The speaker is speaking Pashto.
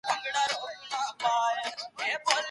ما په خپل ژوند کي ډېر کتابونه ټول کړي دي.